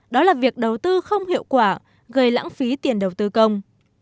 đó là việc đầu tư không hiệu quả gây lãng phí tiền đầu tư công